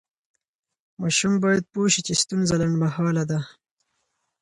ماشوم باید پوه شي چې ستونزه لنډمهاله ده.